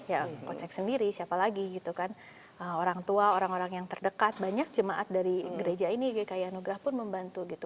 ya kocek sendiri siapa lagi gitu kan orang tua orang orang yang terdekat banyak jemaat dari gereja ini gk yanugrah pun membantu gitu